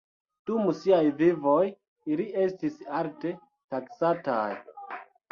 Dum siaj vivoj, ili estis alte taksataj.